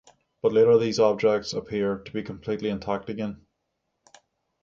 But later these objects appear to be completely intact again.